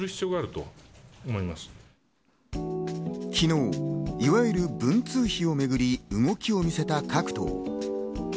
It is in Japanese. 昨日、いわゆる文通費をめぐり動きを見せた各党。